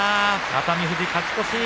熱海富士、勝ち越し。